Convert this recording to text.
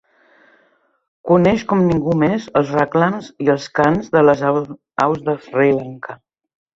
Coneix com ningú més els reclams i els cants de les aus de Sri Lanka.